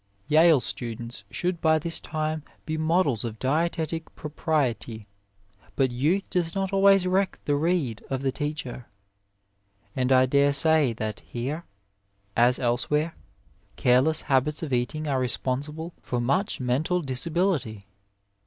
Yale students should by this time be models of dietetic 39 A WAY propriety, but youth does not always reck the rede of the teacher; and I dare say that here, as elsewhere, careless habits of eating are responsible for much mental disability.